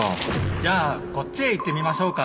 じゃあこっちへ行ってみましょうか。